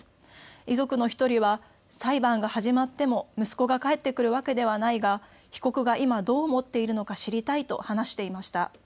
遺族の１人は裁判が始まっても息子が帰ってくるわけではないが被告が今どう思っているのか知りたいと話していました。